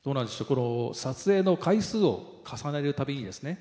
この撮影の回数を重ねるたびにですね